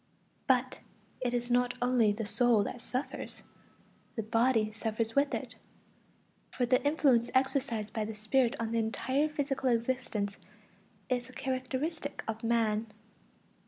But it is not only the soul that suffers; the body suffers with it. For the influence exercised by the spirit on the entire physical existence is a characteristic of man.